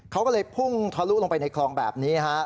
เขาก็เลยพุ่งทะลุลงไปในคลองแบบนี้ฮะ